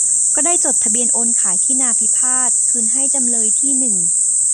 ก็ได้จดทะเบียนโอนขายที่นาพิพาทคืนให้จำเลยที่หนึ่ง